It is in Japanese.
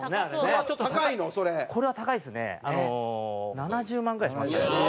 ７０万ぐらいしましたね。